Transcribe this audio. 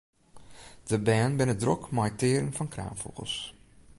De bern binne drok mei it tearen fan kraanfûgels.